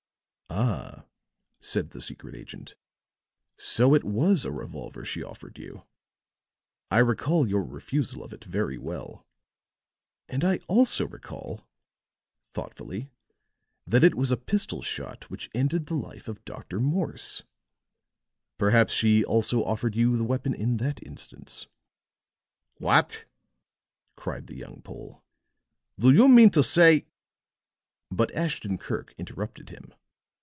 "Ah," said the secret agent, "so it was a revolver she offered you. I recall your refusal of it very well. And I also recall," thoughtfully, "that it was a pistol shot which ended the life of Dr. Morse. Perhaps she also offered you the weapon in that instance." "What!" cried the young Pole. "Do you mean to say " But Ashton Kirk interrupted him.